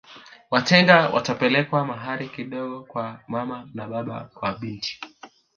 Watenga watapeleka mahari kidogo kwa mama na baba wa binti